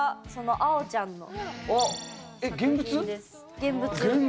現物。